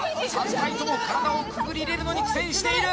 ３体とも体をくぐり入れるのに苦戦している